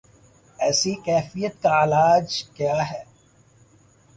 ایسی کیفیت کا علاج کیا ہے؟